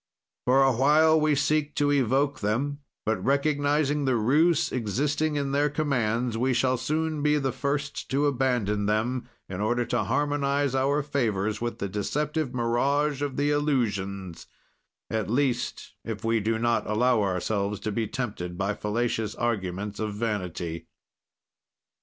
"For a while we seek to evoke them; but recognizing the ruse existing in their commands, we shall soon be the first to abandon them, in order to harmonize our favors with the deceptive mirage of the illusions; at least, if we do not allow ourselves to be tempted by fallacious arguments of vanity.